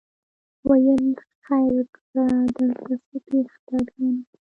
ویل خیر کړې درته څه پېښه ده ګرانه